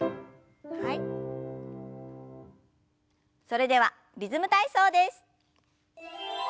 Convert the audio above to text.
それでは「リズム体操」です。